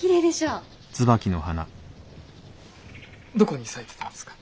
どこに咲いていたんですか？